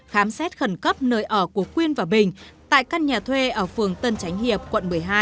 khám xét khẩn cấp nơi ở của quyên và bình tại căn nhà thuê ở phường tân chánh hiệp quận một mươi hai